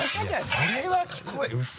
それは聞こえウソ